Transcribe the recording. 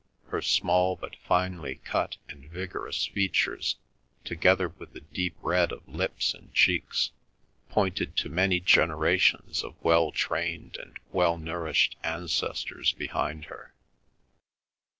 Her small but finely cut and vigorous features, together with the deep red of lips and cheeks, pointed to many generations of well trained and well nourished ancestors behind her.